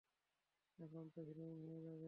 এখন তো হিরোইন হয়ে যাবে।